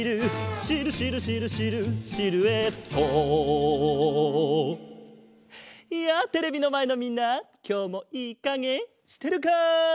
「シルシルシルシルシルエット」やあテレビのまえのみんなきょうもいいかげしてるか？